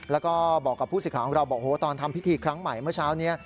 แล้วก็บอกกับผู้สิทธิ์ของเราบอกตอนทำพิธีครั้งใหม่เมื่อเช้านี้